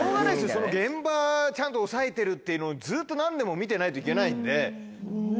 その現場ちゃんと押さえてるっていうのずっと何年も見てないといけないんで。